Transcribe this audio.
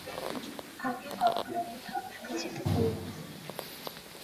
আগে কখনো কোথাও একা যেতে দিইনি।